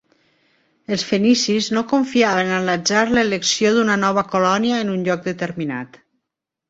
Els fenicis no confiaven a l'atzar l'elecció d'una nova colònia en un lloc determinat.